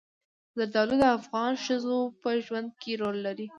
زردالو د افغان ښځو په ژوند کې رول لري.